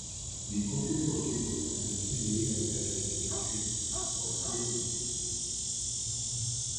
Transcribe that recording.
Il continue ensuite de signer à l'occasion des scripts pour la télévision.